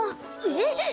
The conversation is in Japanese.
えっ？